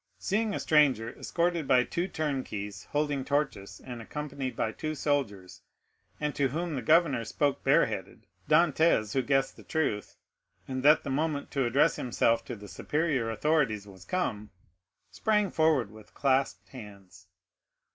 Seeing a stranger, escorted by two turnkeys holding torches and accompanied by two soldiers, and to whom the governor spoke bareheaded, Dantès, who guessed the truth, and that the moment to address himself to the superior authorities was come, sprang forward with clasped hands.